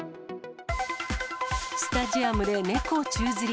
スタジアムでネコ宙づり。